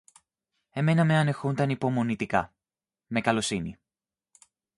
Εμένα με ανέχουνταν υπομονητικά, με καλοσύνη